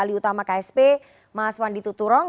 alih utama ksp mas wandi tuturong